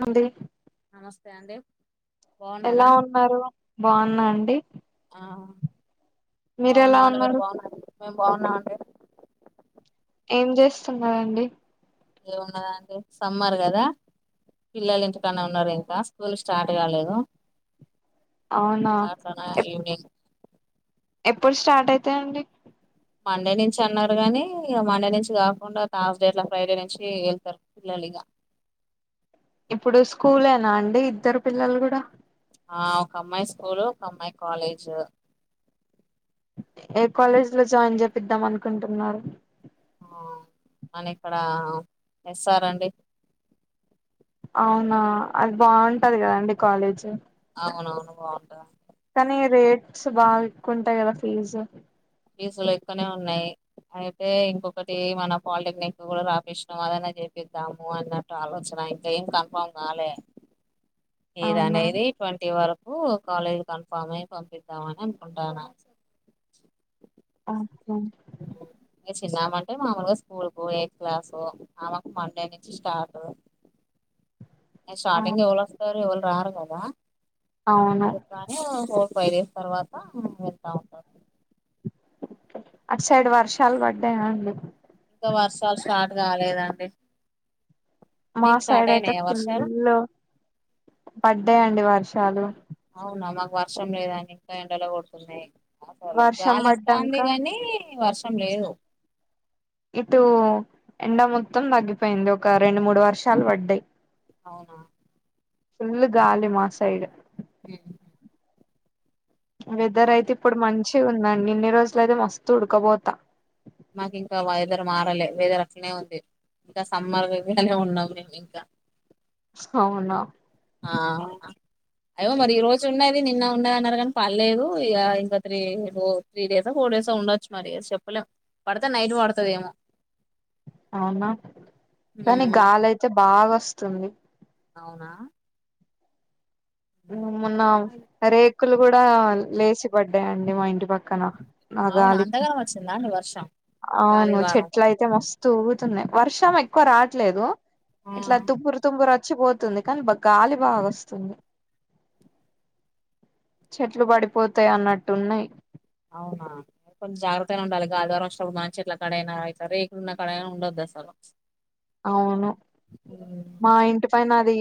మండి నమస్తే అండి బాగున్నారా ఎలా ఉన్నారు బాన్న అండి ఆ మీరు ఎలా బాగున్నామండి మీరు ఉన్నారు బాగున్నారా మేము బాగున్నామండి. ఏం చేస్తున్నారండి ఏమున్నదండి సమ్మర్ కదా పిల్లలు ఇంటికాన్నే ఉన్నరు ఇంకా స్కూల్లు స్టార్ట్ కాలేదు. అవునా అట్లనా ఎప్ ఏంటే ఎప్పుడు స్టార్ట్ అయితయండి, మండే నుంచి అన్నరు గనీ మండే నుంచి కాకుండా తాజ్ డే అట్లా ఫ్రైడే నుంచి వెళ్తరు పిల్లలు ఇగ ఇప్పుడు స్కూల్లనా అండి ఇద్దరు పిల్లలు కూడా ఆ ఒక అమ్మాయి స్కూల్ ఒక అమ్మాయి కాలేజ్ ఏ కాలేజ్ లో జాయిన్ చేపిద్దాం అనుకుంటున్నారు మన ఇక్కడ ఎస్ ఆర్ అండి అవునా అది బాగుంటది కదండి కాలేజ్ అవునవును బాగుంటది కానీ రేట్స్ బాగా ఎక్కువంటాయి కదా ఫీజు ఫీసులు ఎక్కువనే ఉన్నాయి అయితే ఇంకొకటి మన పాలిటెక్నిక్ కూడా రాపిసినం అదైనా చేపిద్దాము అన్నట్టు ఆలోచన అయితే ఏం కన్ఫామ్ కాలే ఏద అవునా అనేది ట్వంటీ వర్ కూ కాలేజ్ కన్ఫామ్ అయి పంపిద్దామని అనుకుంటాన ఆహా ఇంక చిన్నమ అంటే మామూలుగా స్కూల్ కు ఎయిత్ క్లాస్ మామకు మండే నుంచి స్టార్ట్ నె స్టార్టింగ్ ఎవళ వస్తారు ఎవరు రారు కదా అవును అందుకనె ఓహో ఫైవ్ డేస్ తర్వాత వెళ్తా ఉంటది. అటు సైడ్ వర్షాలు పడ్డాయా అండి ఇంక వర్షాలు స్టార్ట్ కాలేదండి మా మీకు స్టార్ట్ సైడ్ అయితే అయినాయా వర్షాలు ఫుల్లు పడ్డయండి వర్షాలు అవునా మాకు వర్షం లేదండి ఇంకా ఎండలు కొడుతున్నాయి అసలు వర్షం గాలి వస్తాంది పడ్డాక గానీ వర్షం సమ్ లేదు ఇటు ఎండ మొత్తం తగ్గిపోయింది ఒక రెండు, మూడు వర్షాలు పడ్డాయి. అవునా ఫుల్ గాలి మాసైడు ఉ వెదర్ అయితే ఇప్పుడు మంచి ఉందండి ఇన్ని రోజులు అయితే మస్తు ఉడకపోతా మాకు ఇంకా వేదరు మారలె వేద రకనే ఉంది ఇంకా సమ్మర్గానే ఉన్నామ్ మేము ఇంకా అవునా ఆవునా అయ్యో మరి ఈ రోజు ఉన్నాయి ది నిన్న ఉండదు అన్నారు గానీ పర్లేదు ఇగా ఇంకా త్రీ ఫోర్ త్రీ డేసో, ఫోర్ డేసో ఉండొచ్చు మరి చెప్పలేం పడతే నైట్ పడతద ఏమో అవునా కానీ గాలి అయితే బాగా వస్తుంది అవునా ఉమ్. మొన్న రేకులు కూడా లేచి పడ్డాయండి మా ఇంటి పక్కన ఆ అవున గాలికి అంతగాని వచ్చిందా అండి వర్షం అవును గాలివారం చెట్ల అయితే మస్తు ఊగుతున్నాయి. వర్షం ఎక్కువ రావట్లేదు. ఇట్లా తుప్పురు తుంపురు వచ్చిపోతుంది కానీ, గాలి బాగా వస్తుంది. చెట్లు పడిపోతాయి అన్నట్టున్నాయి అవునా కొంచెం జాగ్రత్తగానే ఉండాలి. గాలివాన వచ్చినపుడు మంచి చేట్లాక్కడయినా అయితే రేకులు ఉన్న కాడయినా ఉండోద్దు. సను అవును మా ఇంటి పైన అది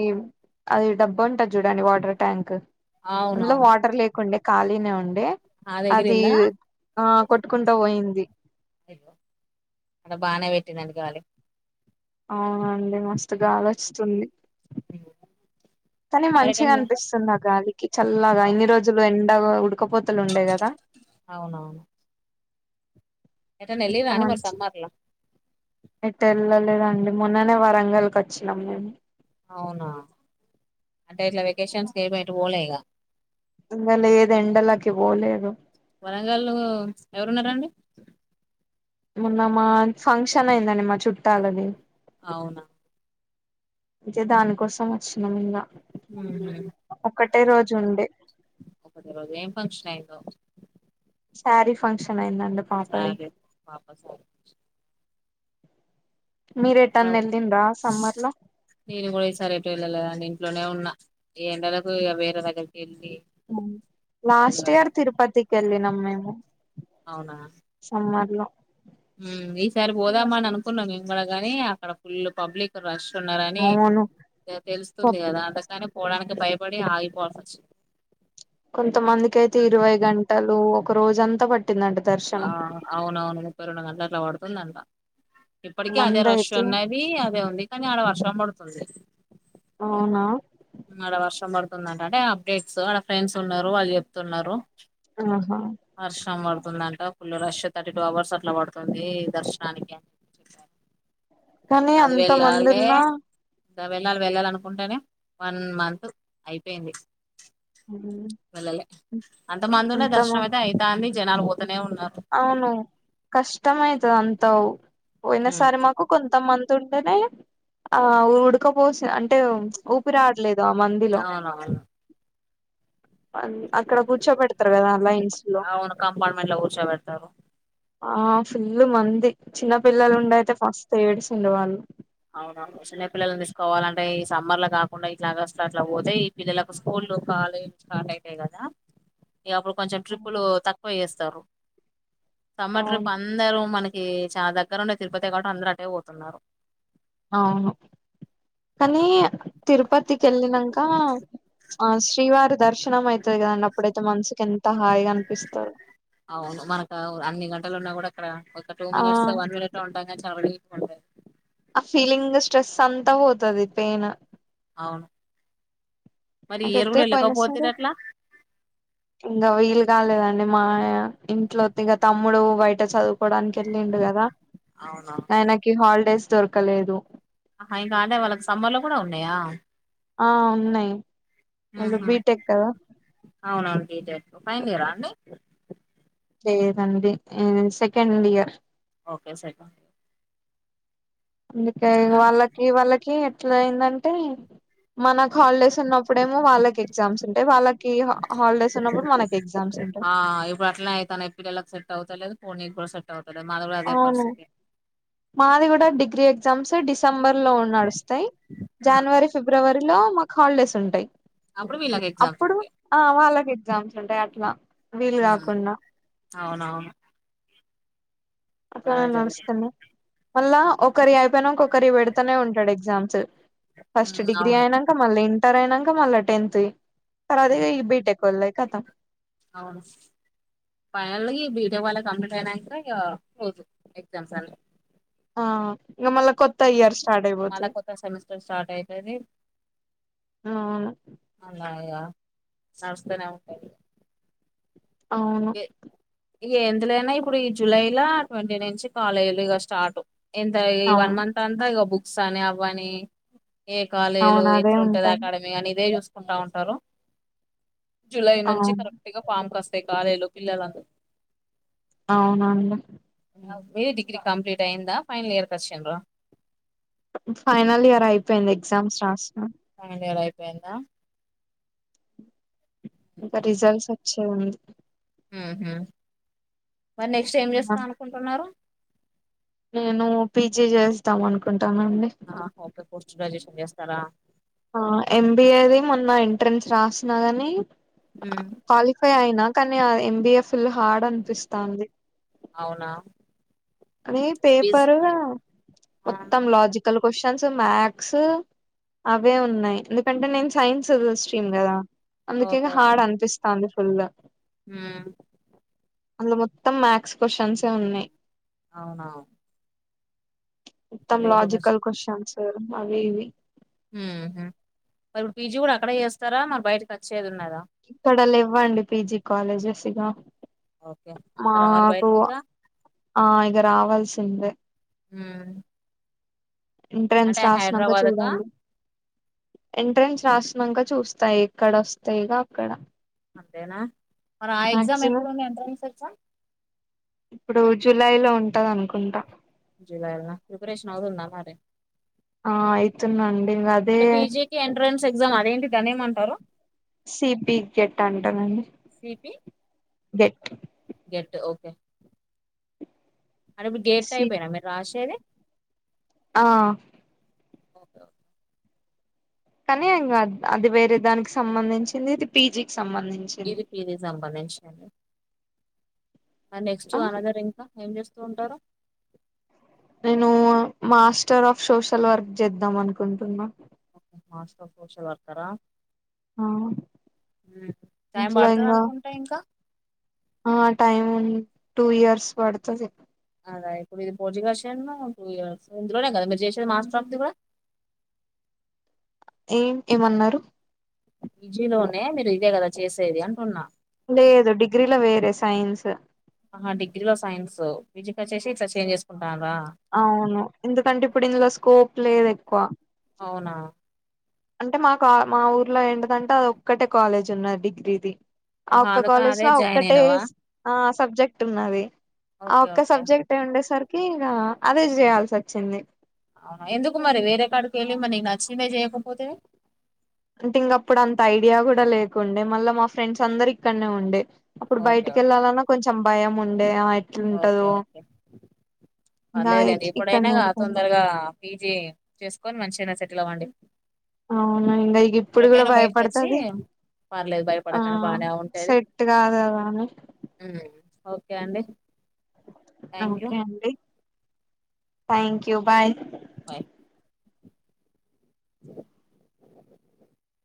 అది డబ్బు ఉంటది చూడండి వాటర్ ట్యాంక్ అందులో అవునవును వాటర్ లేకుండే ఖాళీనే ఉండే అది ఆ కొట్టుకుంటా పోయింది. హలో అక్కడ బానే పెట్టిందంట గాలి అవునండి మస్తుగాలోచ్చతుంది. ఉమ్. కానీ మరి మంచిగా ఎటన్నా అనిపిస్తుంది ఆ గాలికి చల్లగా అవు- ఇన్ని రోజులు ఎన్ డగో ఉడకపోతలు ఉండేయి కదా ఏటన్న ఏళ్ళివా నువ్ మరి సమ్మర్ లో ఎటేళ్ళలేదండి మొన్ననే వరంగల్కి వచ్చినాం మేము. అవునా అంటే ఇట్లా వెకేషన్స్కి ఏమొ ఎటు పోలేగా ఇగ అంద లేదండి ఎండలకి బోలేదు. వరంగల్లో ఎవరున్నారండి? మొన్న మాన్ ఫంక్షన్ అయిందండి మా చుట్టాలది. అవునా చే దానికోసం వచ్చినాము ఇంగా [inaudible] ఒకటే రోజు ఉండే ఒకటే రోజు ఏం ఫంక్షన్ అయిందో సారీ ఫంక్షన్ అయిందండి పాపది సారీ [inaudible] పాప మీరు [unintelligible] ఎటన్న వెళ్ళిండ్రా సమ్మర్ లో నేను కూడా ఈసారి ఎటు పిల్లలు ఇంట్లోనే ఉన్న ఈ ఎండలకు ఇగ వేరే దగ్గరికి వెళ్లి హ లాస్ట్ ఇయర్ తిరుపతికి వెళ్ళినం మేము అవునా ల హు ఈసారి పోదాము అని అనుకున్నాం మేము కూడా గాని అక్కడ ఫుల్ పబ్లిక్ రష్ ఉన్నారని అవును ఇగ తెలుస్తుంది కదా కచ్చితంగా పోవడానికి అంటే భయపడి ఆగిపోవాల్సి వచ్చింది కొంతమందికి అయితే ఇరవై గంటలు ఒక రోజ అంతా పట్ ఆ అవునవును ముపై రెండు గంటలు అట్లా పడుతుందంట ఇప్పటికీ అదే మంది రష్ అయితే ఉన్నది అదే ఉంది కానీ ఆడ వర్షం పడుతుంది అవునా ఆడ వర్షం పడుతుందంట అంటే అప్డేట్స్ ఆడ ఫ్రెండ్స్ ఉన్నారు వాళ్ళు చెప్తున్నారు ఆహా తుందంట full rush thirty two hours అట్లా పడుతుంది దర్శనానికి అని చెప్ప కానీ అది [inaudible] అంత మంది ఉన్నా ఇగ వెళ్ళాలి వెళ్ళాలి అనుకుంటేనే వన్ మంత్ అయిపోయింది వెళ్లలే అంతమందునే అంత మ దర్శనం అయితే అయితాంది జనాలు పోతూనే ఉన్నా అవును కష్టమైతది అంటావ్ పోయినసారి మాకు కొంతమంది తుంటనే ఆ ఉడకపోసి అంటే ఊపిరి ఆడలేదు దా మందిలో అవునవును అక్కడ కూర్చోబెడతారు కదా లైన్స్ లో టారు ఆ ఫుల్ మంది చిన్న పిల్లలు ఉండి అయితే మస్తు ఏడ్చిల్లు వాళ్ళు కావాలంటే ఈ సమ్మర్ల కాకుండా ఇట్లా ఆగస్టు అట్లా పోతే ఈ పిల్లలకు స్కూళ్లు కాలేజ్ స్టార్ట్ అయితాయి కదా ఇగ అప్పుడు కొంచెం ట్రిప్పులు తక్కువ చేస్తారు సమ్మర్ ట్రిప్పు అవును అందరూ మనకి చానా దగ్గర ఉండే తిరుపతి కాబట్టి అందరు అట్టే పోతున్నారు అవును కానీ తిరుపతికి వెళ్ళినంక ఆ శ్రీవారి దర్శనం అయితది కదండీ అప్పుడైతే మనసుకి ఎంత హాయిగా అనిపిస్తారు అవును మనక అన్ని గంటలున్నా కూడా అక్కడ ఒక టూ ఆ మినిట్స్ వన్ మినిట్ఉంటాం కానీ [inaudible] ఆ ఫీలింగ్ స్ట్రెస్ అంతా పోతది పెయిన్ అవును మరి ఎంత ఈ ఇయర్ కూడా ఒత్తేయ్ పోయినసారి వెళ్ళకపోతే ఎట్లా ఇంగ వీలు కాలేదు అండి మా ఇంట్లో తీగ తమ్ముడు బయట చదువు పోవడానికి వెళ్ళిండు కదా అవునవును ఆయనకి హాలిడేస్ దొరకలేదు ఆహా ఇంగా అంటే వాళ్ళకి సమ్మర్ లో కూడా ఉన్నాయా ఆ ఉన్నాయి వాళ్ళు ఉహు బీటెక్ కదా అవునవును బీటెక్ ఫైనల్ ఇయర్ అండి లేదండి సెకండ్ ఇయర్ ఓకే స అందుకే వాళ్ళకి వాళ్ళకి ఎట్లా అయిందంటే మన హాలిడేస్ ఉన్నప్పుడేమో వాళ్ళకి ఎగ్జామ్స్ ఉంటాయి వాళ్ళకి హాలిడేస్ ఉన్నప్పుడు మనకి ఎగ్జామ్స్ ఉంటాయి ఆ ఇప్పుడు అట్లానే అయితాన్నే పిల్లలకు సేట్ అవు ఫో నిక్ కూడా సెట్ అవదు అది కూడా అదే అవును పరిస్థితి మాది కూడా డిగ్రీ ఎగ్జామ్స్ డిసెంబర్ లో నడుస్తాయి ఉమ్ జనవరి ఫిబ్రవరి మే లో మాకు హాలిడేస్ ఉంటాయి అప్పుడు వీళ్ళకి ఎగ్జామ్స్ అప్పుడు ఉంటాయి వాళ్ళకి ఎగ్జామ్స్ ఉంటాయి అట్లా వీలు ఉమ్ కాకుండా అవునవును అట్లా నే అలానే జరుగుతుంది నడుస్తున్నాయి మళ్ళా ఒకరి అయిపోయినా ఒకరి వి పెడతానే ఉంటాడు ఎగ్జామ్స్ ఫస్ట్ ఉమ్ డిగ్రీ అవును అయినంక మళ్ళీ ఇంటర్ అయినంక మళ్ళా టెన్త్ తర్వాత ఉమ్ ఈ బీటెక్ వోలాయి కతం అవును ఫైనల్ గా ఈ బీటెక్ వాల కంప్లీట్ అయినంక ఇగ పోతే ఎక్సామ్స్ అన్ని ఆ ఇక మళ్ళా కొత్త ఇయర్స్ మళ కొత్త సెమిస్టర్ స్టార్ట్ అయితది అవును మల్ల ఇగ నడుస్తనే ఉంటది అవును ఏ ఇగ ఎందులోనా ఇప్పుడు ఈ జులై ట్వంటీ నుంచి కాలేజీలుగా స్టార్ట్ ఎంత ఈ వన్ అవును మంత్ అంతా ఇగ బుక్స్ అని అవ్వని ఏ కాలేజీలు అవును అదే ఎట్లా ఉంటది అకాడమీ అని ఇదే చూసుకుంటా ఉంటారు జులై నుంచి అవును కరెక్ట్ గా పామ్ కస్తాయి కాలేజలో పిల్లలందరూ అవునండి మీది డిగ్రీ కంప్లీట్ అయ్యిందా ఫైనల్ ఇయర్కి వచ్చిండ్రా ఫైనల్ ఇయర్ అయిపోయింది ఎగ్జామ్స్ రాస ఫైనల్ ఇయర్ అయిపోయిందా ఇంకా రిజల్ట్స్ వచ్చేది ఉంది ఉహు మరి నెక్స్ట్ ఏం ఈ చేస్తా మంత్ అనుకుంటున్నారు నేను పీజీ చేస్తాం అనుకుంటు ఓకే పోస్ట్ గ్రాజుయేషన్ చేస్తారా ఆ ఎంబిఏ ది మొన్న ఎంట్రెన్స్ రాసినా గాని మ్. క్వాలిఫై అయినా కానీ ఎంబిఎఫ్ ఫుల్ హార్డ్ అనిపిస్తంది అవునా అని బీస్ పేపర్ మొత్తం లాజికల్ క్వశ్చన్స్ మ్యాక్స్ అవే ఉన్నాయి ఎందుకంటే నేను సైన్స్ స్ట్రీమ్ కదా అందుకే హార్డ్ అనిపిస్తాంది ఫుల్ ఉ అందులో మొత్తం మాథ్స్ క్వశ్చన్స్ ఏ ఉన్నాయి అవున మొత్తం లాజికల్ క్వశ్చన్స్ అవి ఇవి ఉహు మరి ఇప్పుడు పీజీ కూడా అక్కడే చేస్తారా మరి బయటకి వచ్చేది ఉన్నద ఇక్కడ లేవ్వండి పీజీ కాలేజెస్ ఇగా ఓకే ఆ వస్తారా మరి మాకు బయటికిగా ఆ ఇగ రావాల్సిందే మ్ ఎంట్రెన్స్ రాసినాక చూడాలి ఎంట్రెన్స్ రాసినక చూస్తా ఎక్కడ వస్తె ఇగ అక్కడ అంతేనా మరి ఆ ఎగ్జామ్ మాక్సిమం ఎప్పుడుంది ఎంట్రన్స్ ఎగ్జామ్ ఇప్పుడు జూలై లో ఉంటది అనుకుంటా జులై ల్న ప్రిపరేషన్ అవుతుంద మారి ఆ అయితున్న అండి గదే అంటే పీజీకి ఎంట్రన్స్ ఎగ్జామ్ అదేంటి దాన్ని ఏమంటారు సిబి గెట్ అంటరండి పి గెట్ గెట్ ఓకే అంటే ఇప్పుడు గెట్ సి టైపెన మీర్ రాషేది ఆ ఓకేఓకే కానీ ఇంకా అద్ అది వేరే దానికి సంబంధించింది ఇది పీజి కి ఇది పీజీకి సంబంధించింద ఆ నెక్స్ట్ అనదర్ ఇంకా ఏం చేస్తూ ఉంటారు నేను మాస్టర్ ఆఫ్ సోషల్ వర్క్ చేద్దాం అనుకుంటున్నా ఓహో మాస్టర్ అఫ్ సోషల్ వర్కరా ఆ మ్ టైం ఇంట్లో ఇంగ పడుతదనుకుంట ఇంకా ఆ టైమ్ టూ ఇయర్స్ పడుతది అదా ఇప్పుడు ఇది పోజికషన్ ఇందులోనే కదా చేసే మాస్టర్ఫది కూడా ఏం ఏమన్నారు పిజి లోనే మీరు ఇదే కదా చేసేది అంటున్నా లేదు డిగ్రీలో వేరే సైన్స్ ఆహ డిగ్రీ లో సైన్స్ బీజికోచ్చేసి ఇట్ల చేంజ్ చేసుకున్ అవును ఎందుకంటే ఇప్పుడు ఇందులో స్కోప్ లేదు ఎక్కువ అవునా అంటే మా క్ ఆ మా ఊర్లో ఏంటిదంటే అది ఒక్కటే కాలేజ్ ఉన్నది డిగ్రీది ఆ ఆహా ఒక్క అందుకని కాలేజ్ అదే లో జాయిన్ ఒక్కటే అయినావా స్ ఆ సబ్జెక్ట్ ఉన్నది ఆ ఓకే ఒక్క ఓకే సబ్జెక్ట్ ఉండేసరికి ఇగ అదే జేయాల్సి వచ్చింది అవునా ఎందుకు మరి వేరే కాడికేళ్ళి మరిీ నీకు నచ్చిందే చేయకపోతివి అంటే ఇంగ అప్పుడు అంత ఐడియా కుడా లేకుండే మళ్ళా మా ఫ్రెండ్స్ అందరు ఇక్కనే ఉండే అప్పుడు ఓకే బయటికేళ్లాలన్నా కొంచెం భయం ఉండే ఆ ఓకే ఎట్లుంటదో ఓకే ఇంగా పర్లేదులేండి ఇప్పుడైనా ఇక్కడనే ఉండిపోయిన తొందరగా పీజీ చేసుకొని మంచి అయినా సెటిల్ అవ్వండి అవునా ఇంగా ఇగ ఇప్పుడు కూడా ఇప్పటికైనా బయటకు వచ్చి భయపడుతది పర్లేదు భయపడకండి బాగా ఉంటది కాదు కదా అని మ్ ఓకే అండి థ్యాంక్ యూ ఓకే అండి థ్యాంక్ యూ బాయ్ బాయ్